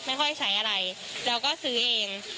ไม่ค่อยใช้อะไรเราก็ซื้อเอง